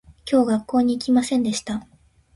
今日学校に行きませんでした